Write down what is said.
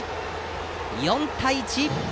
４対１。